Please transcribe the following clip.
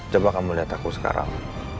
coba kamu lihat aku sekarang